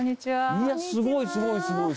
いやすごいすごい！